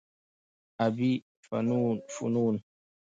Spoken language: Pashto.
ابي فنون